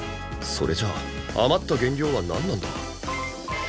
それじゃあ余った原料はなんなんだ？